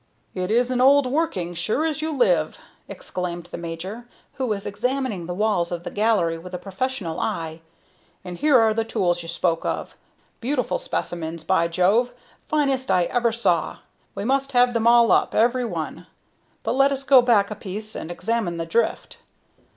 "It is an old working, sure as you live!" exclaimed the major, who was examining the walls of the gallery with a professional eye. "And here are the tools you spoke of. Beautiful specimens, by Jove! Finest I ever saw. We must have them all up every one. But let us go back a piece and examine the drift.